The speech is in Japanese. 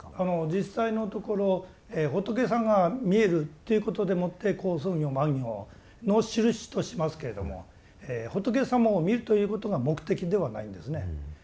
実際のところ仏さんが見えるということでもって好相行満行のしるしとしますけれども仏様を見るということが目的ではないんですね。